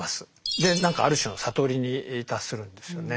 で何かある種の悟りに達するんですよね。